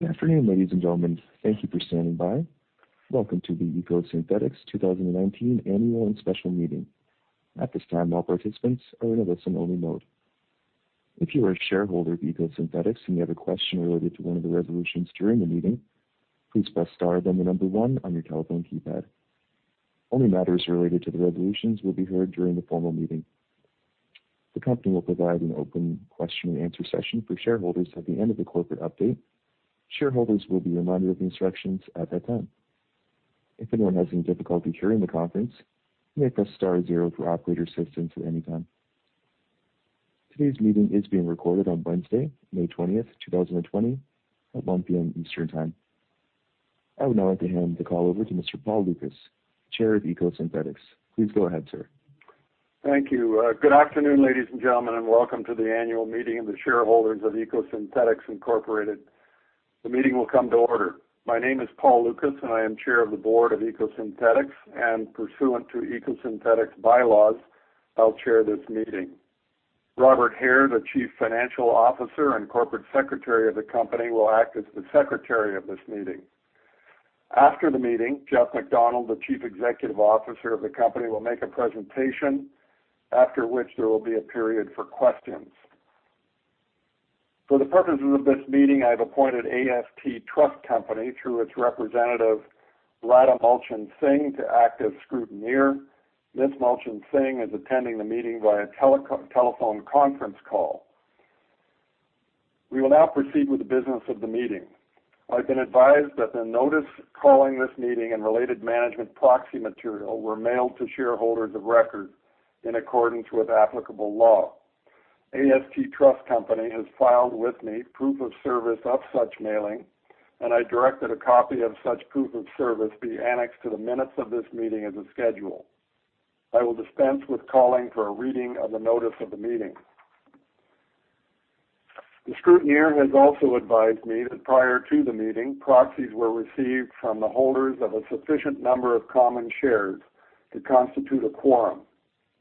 Good afternoon, ladies and gentlemen. Thank you for standing by. Welcome to the EcoSynthetix 2019 Annual and Special Meeting. At this time, all participants are in a listen-only mode. If you are a shareholder of EcoSynthetix and you have a question related to one of the resolutions during the meeting, please press star then the number one on your telephone keypad. Only matters related to the resolutions will be heard during the formal meeting. The company will provide an open question and answer session for shareholders at the end of the corporate update. Shareholders will be reminded of the instructions at that time. If anyone has any difficulty hearing the conference, you may press star zero for operator assistance at any time. Today's meeting is being recorded on Wednesday, May 20th, 2020 at 1:00 P.M. Eastern Time. I would now like to hand the call over to Mr. Paul Lucas, Chair of EcoSynthetix. Please go ahead, sir. Thank you. Good afternoon, ladies and gentlemen, and welcome to the annual meeting of the shareholders of EcoSynthetix Inc. The meeting will come to order. My name is Paul Lucas, and I am Chair of the Board of EcoSynthetix, and pursuant to EcoSynthetix bylaws, I'll chair this meeting. Robert Haire, the Chief Financial Officer and Corporate Secretary of the company, will act as the secretary of this meeting. After the meeting, Jeff MacDonald, the Chief Executive Officer of the company, will make a presentation after which there will be a period for questions. For the purposes of this meeting, I have appointed AST Trust Company through its representative, Radha Mulchan-Singh, to act as scrutineer. Ms. Mulchan-Singh is attending the meeting via telephone conference call. We will now proceed with the business of the meeting. I've been advised that the notice calling this meeting and related management proxy material were mailed to shareholders of record in accordance with applicable law. AST Trust Company has filed with me proof of service of such mailing, and I directed a copy of such proof of service be annexed to the minutes of this meeting as a schedule. I will dispense with calling for a reading of the notice of the meeting. The scrutineer has also advised me that prior to the meeting, proxies were received from the holders of a sufficient number of common shares to constitute a quorum.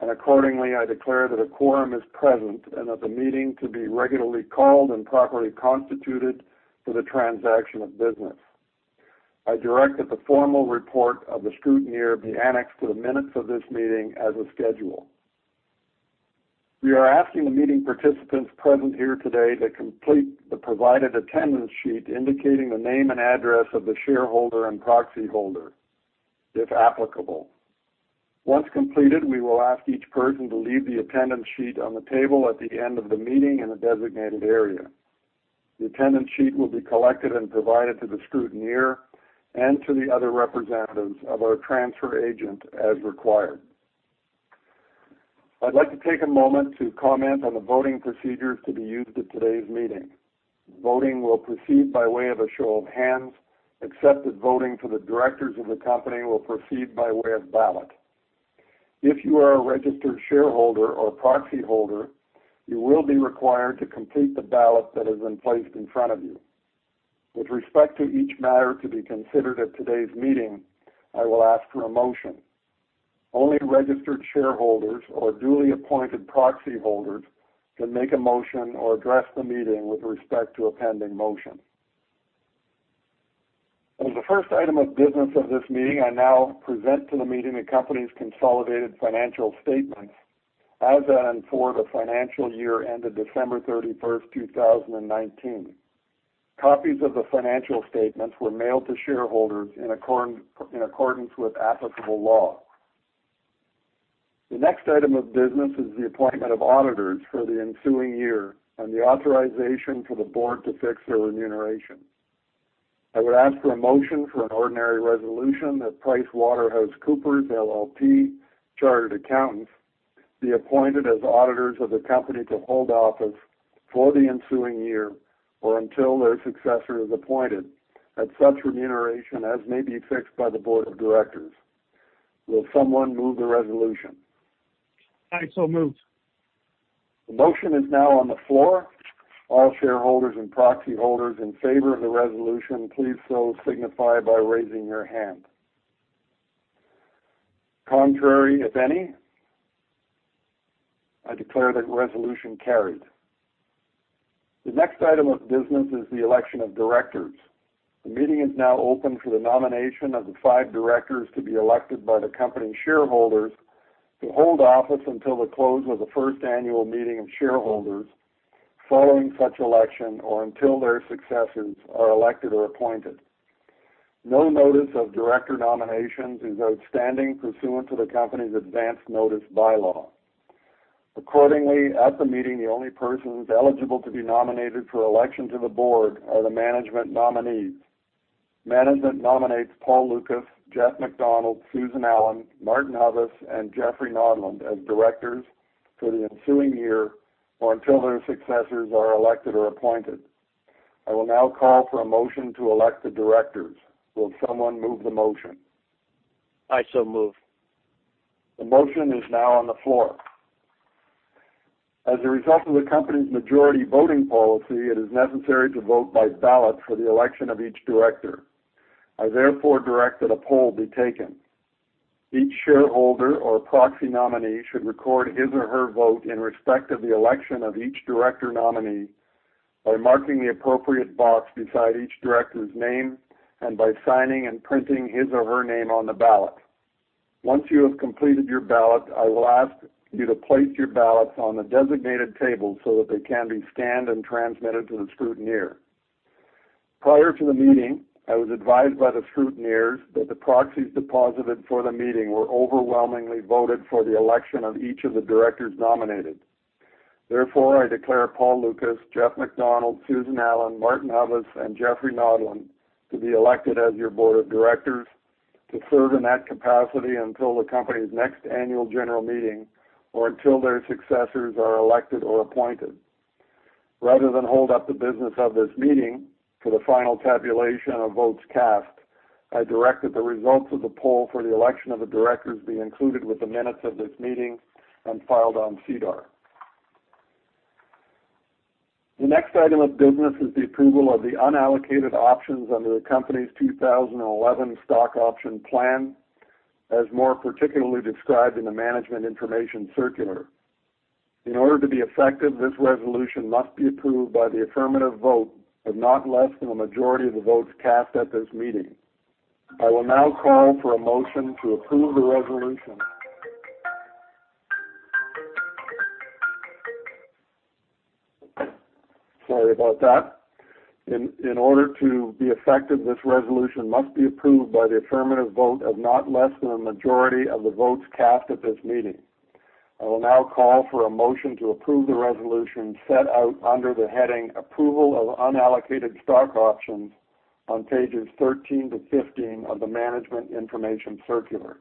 Accordingly, I declare that a quorum is present and that the meeting to be regularly called and properly constituted for the transaction of business. I direct that the formal report of the scrutineer be annexed to the minutes of this meeting as a schedule. We are asking the meeting participants present here today to complete the provided attendance sheet indicating the name and address of the shareholder and proxy holder, if applicable. Once completed, we will ask each person to leave the attendance sheet on the table at the end of the meeting in the designated area. The attendance sheet will be collected and provided to the scrutineer and to the other representatives of our transfer agent as required. I'd like to take a moment to comment on the voting procedures to be used at today's meeting. Voting will proceed by way of a show of hands, except that voting for the directors of the company will proceed by way of ballot. If you are a registered shareholder or proxy holder, you will be required to complete the ballot that has been placed in front of you. With respect to each matter to be considered at today's meeting, I will ask for a motion. Only registered shareholders or duly appointed proxy holders can make a motion or address the meeting with respect to a pending motion. As the first item of business of this meeting, I now present to the meeting the company's consolidated financial statements as of and for the financial year ended December 31st, 2019. Copies of the financial statements were mailed to shareholders in accordance with applicable law. The next item of business is the appointment of auditors for the ensuing year and the authorization for the board to fix their remuneration. I would ask for a motion for an ordinary resolution that PricewaterhouseCoopers LLP Chartered Accountants be appointed as auditors of the company to hold office for the ensuing year or until their successor is appointed at such remuneration as may be fixed by the board of directors. Will someone move the resolution? I so move. The motion is now on the floor. All shareholders and proxy holders in favor of the resolution, please so signify by raising your hand. Contrary, if any. I declare that resolution carried. The next item of business is the election of directors. The meeting is now open for the nomination of the five directors to be elected by the company shareholders to hold office until the close of the first annual meeting of shareholders following such election or until their successors are elected or appointed. No notice of director nominations is outstanding pursuant to the company's advance notice bylaw. Accordingly, at the meeting, the only persons eligible to be nominated for election to the board are the management nominees. Management nominates Paul Lucas, Jeff MacDonald, Susan Allen, Martin Hubbes, and Jeffrey Nodland as directors for the ensuing year or until their successors are elected or appointed. I will now call for a motion to elect the directors. Will someone move the motion? I so move. The motion is now on the floor. As a result of the company's majority voting policy, it is necessary to vote by ballot for the election of each director. I therefore direct that a poll be taken. Each shareholder or proxy nominee should record his or her vote in respect of the election of each director nominee by marking the appropriate box beside each director's name and by signing and printing his or her name on the ballot. Once you have completed your ballot, I will ask you to place your ballots on the designated table so that they can be scanned and transmitted to the scrutineer. Prior to the meeting, I was advised by the scrutineers that the proxies deposited for the meeting were overwhelmingly voted for the election of each of the directors nominated. Therefore, I declare Paul Lucas, Jeff MacDonald, Susan Allen, Martin Hubbes, and Jeffrey Nodland to be elected as your board of directors to serve in that capacity until the company's next annual general meeting or until their successors are elected or appointed. Rather than hold up the business of this meeting for the final tabulation of votes cast, I direct that the results of the poll for the election of the directors be included with the minutes of this meeting and filed on SEDAR. The next item of business is the approval of the unallocated options under the company's 2011 Stock Option Plan, as more particularly described in the management information circular. In order to be effective, this resolution must be approved by the affirmative vote of not less than a majority of the votes cast at this meeting. I will now call for a motion to approve the resolution. Sorry about that. In order to be effective, this resolution must be approved by the affirmative vote of not less than a majority of the votes cast at this meeting. I will now call for a motion to approve the resolution set out under the heading Approval of Unallocated Stock Options on pages 13-15 of the management information circular.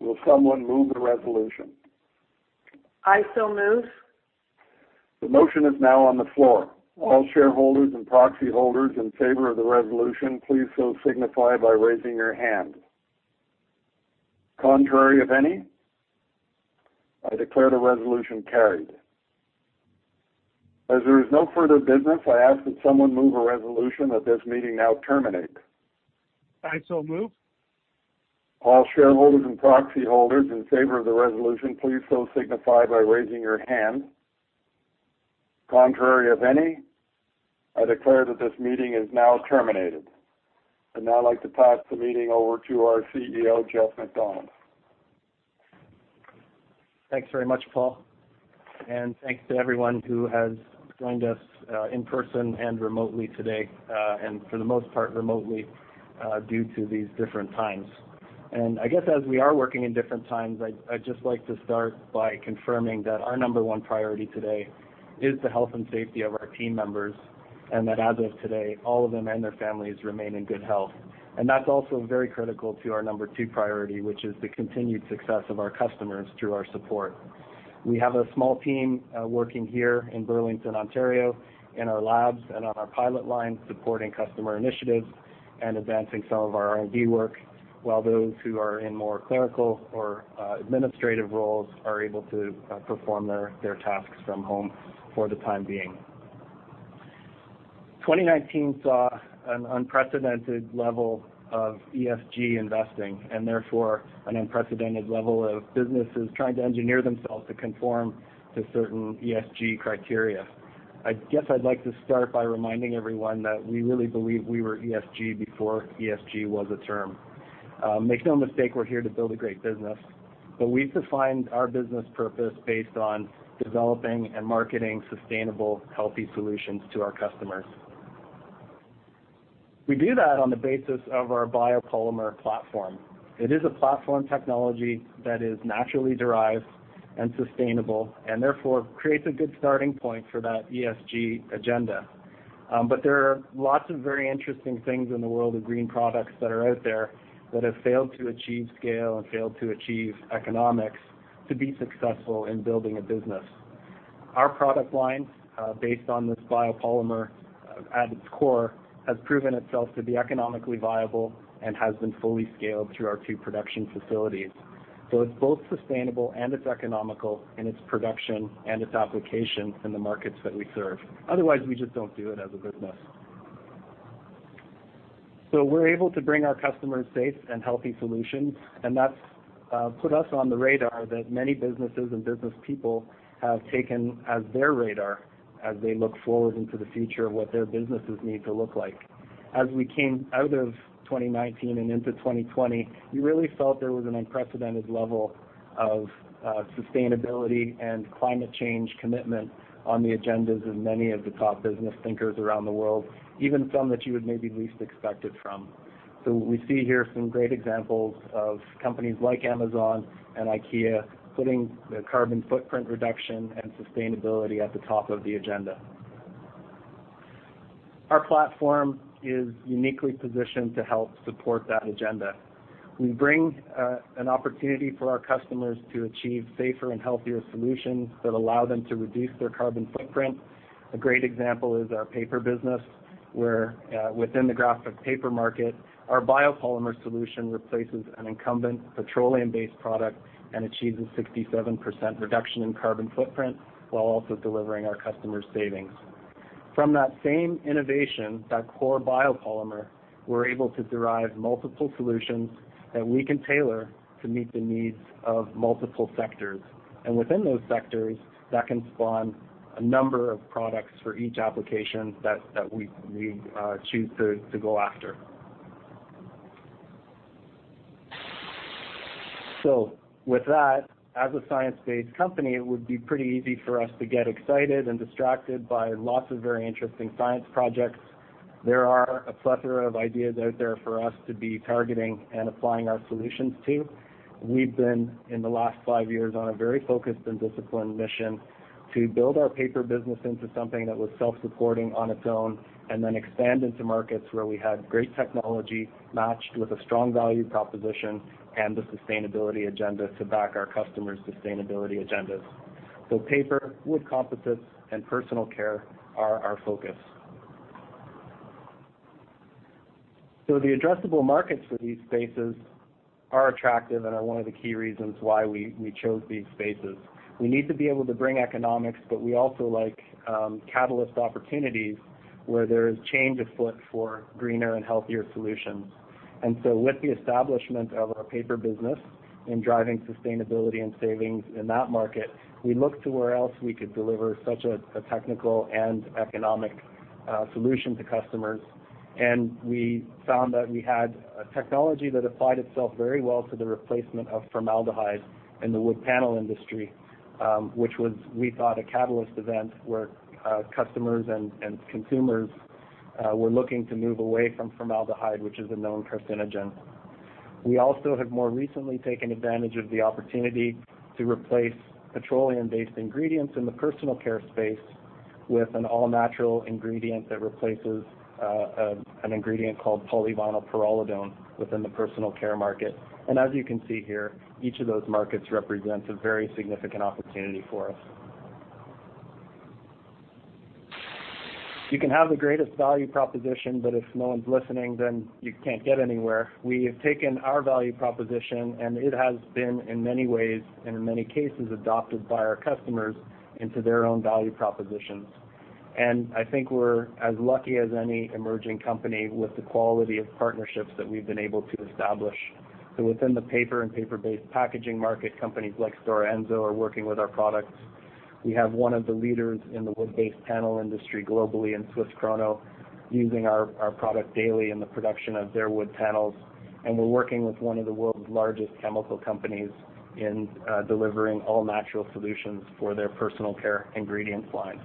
Will someone move the resolution? I so move. The motion is now on the floor. All shareholders and proxy holders in favor of the resolution, please so signify by raising your hand. Contrary of any? I declare the resolution carried. As there is no further business, I ask that someone move a resolution that this meeting now terminate. I so move. All shareholders and proxy holders in favor of the resolution, please so signify by raising your hand. Contrary of any? I declare that this meeting is now terminated. I'd now like to pass the meeting over to our CEO, Jeff MacDonald. Thanks very much, Paul, and thanks to everyone who has joined us in person and remotely today, and for the most part, remotely, due to these different times. I guess as we are working in different times, I'd just like to start by confirming that our number one priority today is the health and safety of our team members, and that as of today, all of them and their families remain in good health. That's also very critical to our number two priority, which is the continued success of our customers through our support. We have a small team working here in Burlington, Ontario, in our labs and on our pilot line supporting customer initiatives and advancing some of our R&D work, while those who are in more clerical or administrative roles are able to perform their tasks from home for the time being. 2019 saw an unprecedented level of ESG investing and therefore an unprecedented level of businesses trying to engineer themselves to conform to certain ESG criteria. I guess I'd like to start by reminding everyone that we really believe we were ESG before ESG was a term. Make no mistake, we're here to build a great business, but we've defined our business purpose based on developing and marketing sustainable, healthy solutions to our customers. We do that on the basis of our biopolymer platform. It is a platform technology that is naturally derived and sustainable and therefore creates a good starting point for that ESG agenda. There are lots of very interesting things in the world of green products that are out there that have failed to achieve scale and failed to achieve economics to be successful in building a business. Our product line, based on this biopolymer at its core, has proven itself to be economically viable and has been fully scaled through our two production facilities. It's both sustainable and it's economical in its production and its application in the markets that we serve. Otherwise, we just don't do it as a business. We're able to bring our customers safe and healthy solutions, and that's put us on the radar that many businesses and business people have taken as their radar as they look forward into the future of what their businesses need to look like. As we came out of 2019 and into 2020, you really felt there was an unprecedented level of sustainability and climate change commitment on the agendas of many of the top business thinkers around the world, even some that you would maybe least expect it from. We see here some great examples of companies like Amazon and IKEA putting the carbon footprint reduction and sustainability at the top of the agenda. Our platform is uniquely positioned to help support that agenda. We bring an opportunity for our customers to achieve safer and healthier solutions that allow them to reduce their carbon footprint. A great example is our paper business, where within the graphic paper market, our biopolymer solution replaces an incumbent petroleum-based product and achieves a 67% reduction in carbon footprint while also delivering our customers savings. From that same innovation, that core biopolymer, we're able to derive multiple solutions that we can tailor to meet the needs of multiple sectors. Within those sectors, that can spawn a number of products for each application that we choose to go after. With that, as a science-based company, it would be pretty easy for us to get excited and distracted by lots of very interesting science projects. There are a plethora of ideas out there for us to be targeting and applying our solutions to. We've been, in the last five years, on a very focused and disciplined mission to build our paper business into something that was self-supporting on its own, and then expand into markets where we had great technology matched with a strong value proposition and a sustainability agenda to back our customers' sustainability agendas. Paper, wood composites, and personal care are our focus. The addressable markets for these spaces are attractive and are one of the key reasons why we chose these spaces. We need to be able to bring economics, but we also like catalyst opportunities where there is change afoot for greener and healthier solutions. With the establishment of our paper business in driving sustainability and savings in that market, we looked to where else we could deliver such a technical and economic solution to customers. We found that we had a technology that applied itself very well to the replacement of formaldehyde in the wood panel industry, which was, we thought, a catalyst event where customers and consumers were looking to move away from formaldehyde, which is a known carcinogen. We also have more recently taken advantage of the opportunity to replace petroleum-based ingredients in the personal care space with an all-natural ingredient that replaces an ingredient called polyvinylpyrrolidone within the personal care market. As you can see here, each of those markets represents a very significant opportunity for us. You can have the greatest value proposition, but if no one's listening, then you can't get anywhere. We have taken our value proposition, it has been, in many ways and in many cases, adopted by our customers into their own value propositions. I think we're as lucky as any emerging company with the quality of partnerships that we've been able to establish. Within the paper and paper-based packaging market, companies like Stora Enso are working with our products. We have one of the leaders in the wood-based panel industry globally in Swiss Krono using our product daily in the production of their wood panels. We're working with one of the world's largest chemical companies in delivering all-natural solutions for their personal care ingredients line.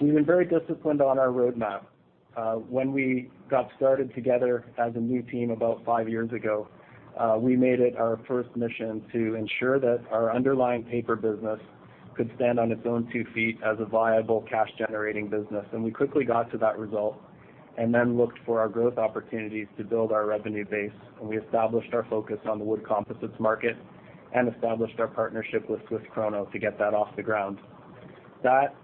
We've been very disciplined on our roadmap. When we got started together as a new team about five years ago, we made it our first mission to ensure that our underlying paper business could stand on its own two feet as a viable cash-generating business. We quickly got to that result and then looked for our growth opportunities to build our revenue base. We established our focus on the wood composites market and established our partnership with Swiss Krono to get that off the ground. That,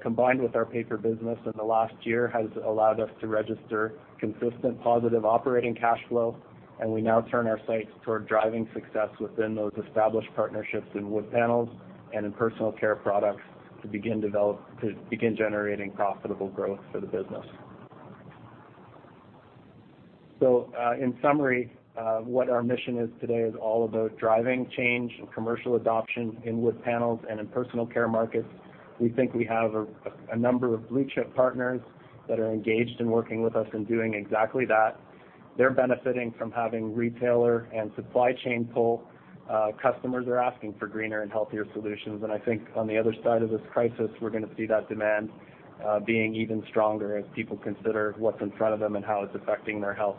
combined with our paper business in the last year, has allowed us to register consistent positive operating cash flow, and we now turn our sights toward driving success within those established partnerships in wood panels and in personal care products to begin generating profitable growth for the business. In summary, what our mission is today is all about driving change and commercial adoption in wood panels and in personal care markets. We think we have a number of blue-chip partners that are engaged in working with us in doing exactly that. They're benefiting from having retailer and supply chain pull. Customers are asking for greener and healthier solutions. I think on the other side of this crisis, we're going to see that demand being even stronger as people consider what's in front of them and how it's affecting their health.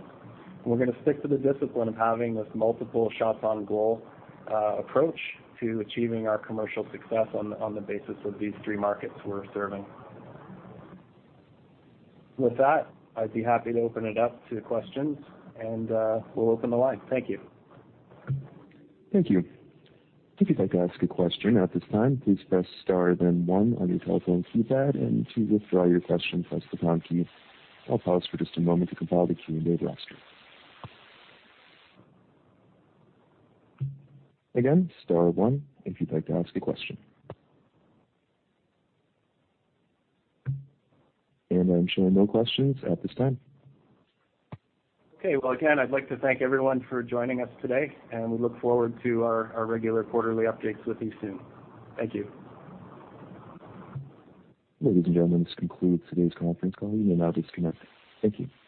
We're going to stick to the discipline of having this multiple shots on goal approach to achieving our commercial success on the basis of these three markets we're serving. With that, I'd be happy to open it up to questions and we'll open the line. Thank you. Thank you. If you'd like to ask a question at this time, please press star then one on your telephone keypad, and to withdraw your question, press the pound key. I'll pause for just a moment to compile the queue in the roster. Again, star one if you'd like to ask a question. I'm showing no questions at this time. Okay. Well, again, I'd like to thank everyone for joining us today. We look forward to our regular quarterly updates with you soon. Thank you. Ladies and gentlemen, this concludes today's conference call. You may now disconnect. Thank you.